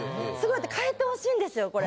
替えてほしいんですよこれ。